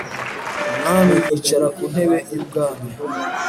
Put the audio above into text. Umwami yicara ku ntebe y ubwami